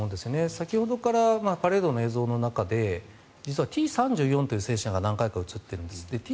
先ほどからパレードの映像の中で実はＴ３４という戦車が何回か映っているんです。